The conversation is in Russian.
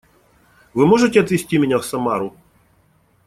Вы можете отвезти меня в Самару?